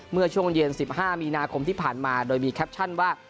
เมื่อช่วงเย็น๑๕มีนาคมที่ผ่านมาโดยมีแคปชั่นว่า